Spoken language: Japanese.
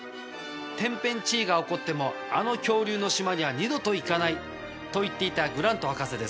「天変地異が起こってもあの恐竜の島には二度と行かない」と言っていたグラント博士ですが。